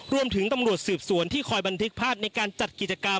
รวมถึงตำรวจสืบสวนที่คอยบันทึกภาพในการจัดกิจกรรม